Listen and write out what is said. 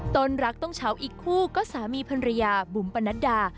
ต้นรักต้องเฉาอีกคู่ก็สามีภรรยาบุ๋มปนัดดา